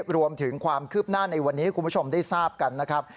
รวมถึงความคืบหน้าในวันนี้ให้คุณผู้ชมได้ทราบกันนะครับ